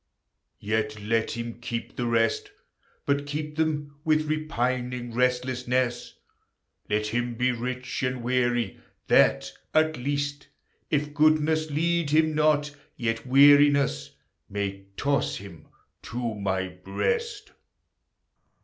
Yet let him keep the rest, But keep them with repining restlessness: Let him be rich and weary, that, at least, If goodness lead him not, yet weariness May toss him to my breast.